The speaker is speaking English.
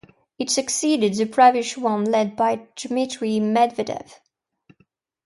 It succeeded the previous one led by Dmitry Medvedev.